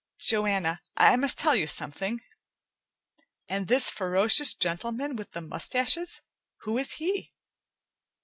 "Joanna, I must tell you something " "And this ferocious gentleman with the moustaches? Who is he?"